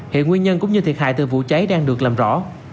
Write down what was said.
hiện nguyên nhân cũng như thiệt hại từ vụ cháy đang được làm rõ